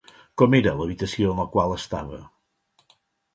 Com era l'habitació en la qual estava?